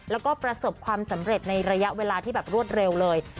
แล้วก็ประสบความสำเร็จในระยะเวลาที่แบบรวดเร็วเลย